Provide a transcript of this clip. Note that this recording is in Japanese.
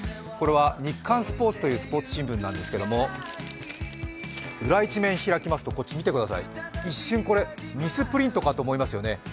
これは日刊スポーツというスポーツ新聞なんですけれども裏一面開きますと、一瞬ミスプリントかと思いますよね。